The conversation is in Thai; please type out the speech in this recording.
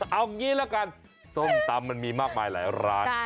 เอางี้ละกันส้มตำมันมีมากมายหลายร้าน